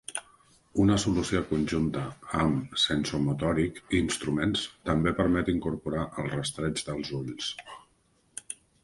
Una solució conjunta amb SensoMotoric Instruments també permet incorporar el rastreig dels ulls.